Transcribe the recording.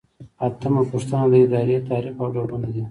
اتمه پوښتنه د ادارې تعریف او ډولونه دي.